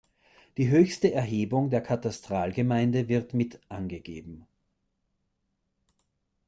Die höchste Erhebung der Katastralgemeinde wird mit angegeben.